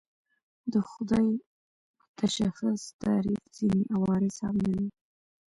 د خدای متشخص تعریف ځینې عوارض هم لري.